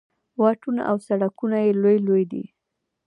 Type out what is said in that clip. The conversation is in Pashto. واټونه او سړکونه یې لوی لوی دي.